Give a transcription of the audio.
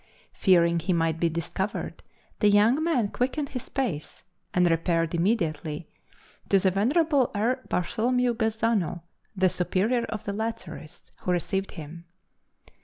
Fearing he might be discovered, the young man quickened his pace, and repaired immediately to the venerable R. Bartholomew Gazzano, then Superior of the Lazarists, who received him.